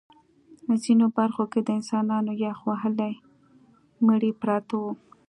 ځینو برخو کې د انسانانو یخ وهلي مړي پراته وو